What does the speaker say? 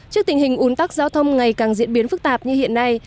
trước tình hình ủn tắc giao thông ngày càng diễn biến phức tạp như hiện nay